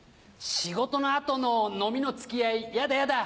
仕事の後の飲みの付き合いやだやだ。